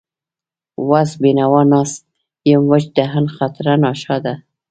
وس بېنوا ناست يم وچ دهن، خاطر ناشاده